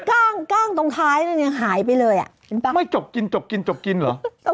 นี่ก้างก้างตรงท้ายมันยังหายไปเลยอ่ะเห็นป่ะไม่จกกินจกกินจกกินเหรอ